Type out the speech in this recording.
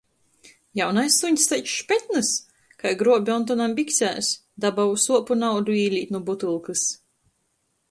Jaunais suņs taids špetnys! Kai gruobe Ontonam biksēs, dabuoju suopu naudu īlīt nu butylkys.